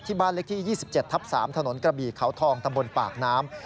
บ้านเลขที่๒๗ทับ๓ถนนกระบี่เขาทองตำบลปากน้ำ